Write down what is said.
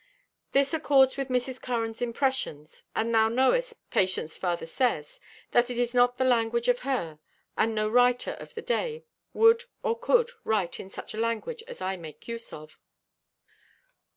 This accords with Mrs. Curran's impressions. And thou knowest, Patience farther says, that it is not the language of her, and no writer of thy day would or could write in such a language as I make use of.